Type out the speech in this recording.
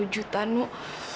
lima puluh juta nuk